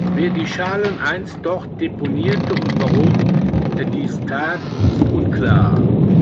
Wer die Schalen einst dort deponierte und warum er dies tat, ist unklar.